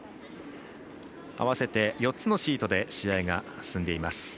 合わせて４つのシートで試合が進んでいます。